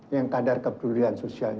yang kadar keperluan sosialnya